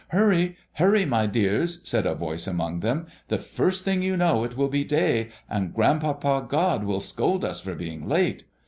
"Hurry, hurry, my dears!" said a voice among them; "the first thing you know it will be day, and Grandpapa God will scold us for being late.